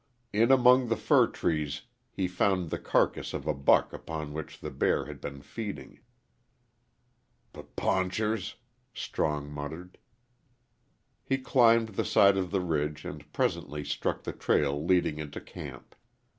In among the fir trees he found the carcass of a buck upon which the bear had been feeding. "P paunchers!" Strong muttered. He climbed the side of the ridge and presently struck the trail leading into camp.